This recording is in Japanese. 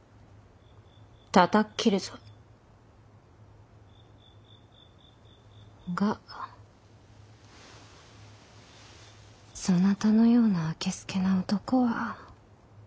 たたっ斬るぞ。がそなたのようなあけすけな男は嫌いではない。